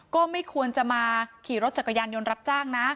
ก็ไม่ควรจะมาขี่รถจักรยานยนต์รับจ้างนะ